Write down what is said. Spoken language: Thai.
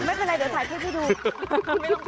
ไม่เป็นไรเดี๋ยวถ่ายเพื่อที่ดู